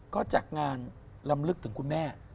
ก็จากงานลำลึกถึงคุณแม่